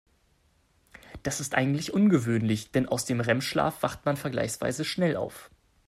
Das ist eigentlich ungewöhnlich, denn aus dem REM-Schlaf wacht man vergleichsweise schnell auf.